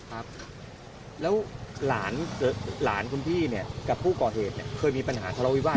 ครับแล้วหลานคุณพี่เนี่ยกับผู้ก่อเหตุเนี่ยเคยมีปัญหาทะเลาวิวาส